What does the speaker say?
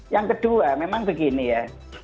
yang kedua memang begini ya